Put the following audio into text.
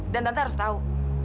dan tante harus tahu